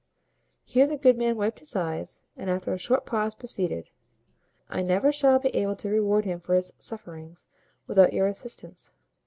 Here the good man wiped his eyes, and after a short pause proceeded "I never shall be able to reward him for his sufferings without your assistance.